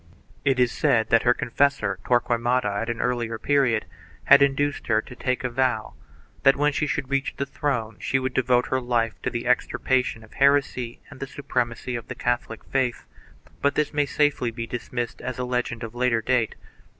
It is said that her confessor, Tqrquemada, at an earlier period, had induced her to take a vow that, when she should reach the throne, she would devote her life to the extirpation of heresy and the suprem acy of the Catholic faith, but this may safely be dismissed as a legend of later date.